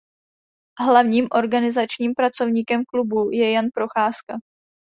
Hlavním organizačním pracovníkem klubu je Jan Procházka.